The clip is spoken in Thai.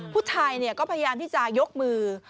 ผู้ชายก็พยายามที่จะยกมือ